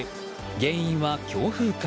原因は強風か。